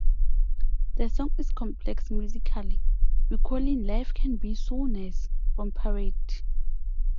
The song is complex musically, recalling "Life Can Be So Nice" from "Parade".